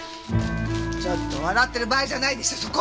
ちょっと笑ってる場合じゃないでしょそこ！